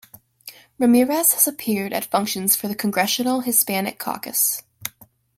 Ramirez has appeared at functions for the Congressional Hispanic Caucus.